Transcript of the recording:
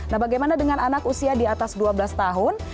nah bagaimana dengan anak usia di atas dua belas tahun